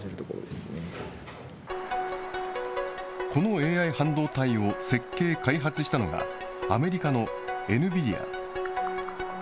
ＡＩ半導体を設計・開発したのが、アメリカのエヌビディア。